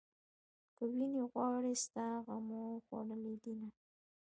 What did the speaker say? که وينې غواړې ستا غمو خوړلې دينه